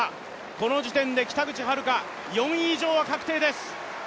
この時点で北口榛花、４位以上は確定です。